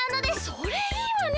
それいいわね！